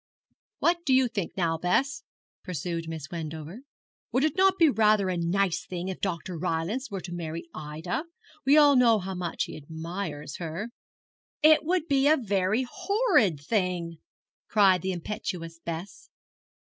'What do you think now, Bess,' pursued Miss Wendover; 'would it not be rather a nice thing if Dr. Rylance were to marry Ida? We all know how much he admires her.' 'It would be a very horrid thing!' cried the impetuous Bess.